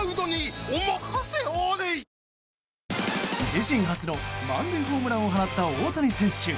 自身初の満塁ホームランを放った大谷選手。